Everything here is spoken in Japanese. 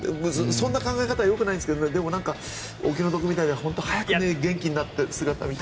そんな考え方はよくないんですがでも、お気の毒みたいで本当に早く元気になった姿を見たい。